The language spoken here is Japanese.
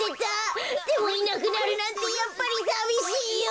でもいなくなるなんてやっぱりさびしいよ！